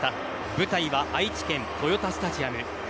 舞台は愛知県豊田スタジアム。